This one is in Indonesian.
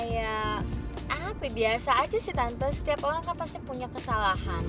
ya apa biasa aja sih tante setiap orang kan pasti punya kesalahan